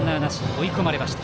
追い込まれました。